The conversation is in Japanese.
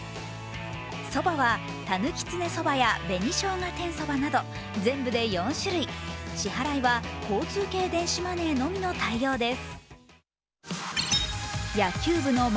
そばは、たぬきつねそばや紅しょうが天そばなど全部で４種類支払いは交通系電子マネーのみの対応です。